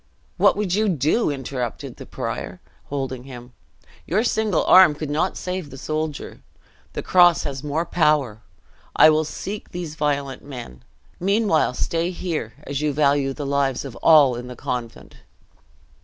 "What would you do?" interrupted the prior, holding him. "Your single arm could not save the soldier. The cross has more power; I will seek these violent men. Meanwhile stay here, as you value the lives of all in the convent."